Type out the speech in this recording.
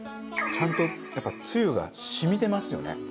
ちゃんとやっぱつゆが染みてますよね